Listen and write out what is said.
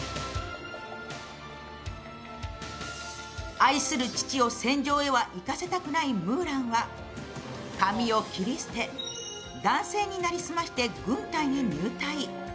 愛する父を戦場へは行かせたくないムーランは髪を切り捨て、男性に成り済まして軍隊に入隊。